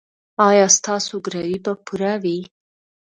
ایا ستاسو ګروي به پوره وي؟